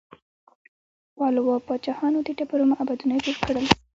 پالوا پاچاهانو د ډبرو معبدونه جوړ کړل.